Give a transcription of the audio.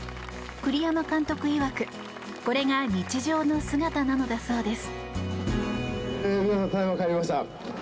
栗山監督いわくこれが日常の姿なのだそうです。